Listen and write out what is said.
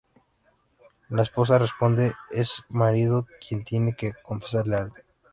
La esposa responde, es su marido quien tiene que confesarle algo.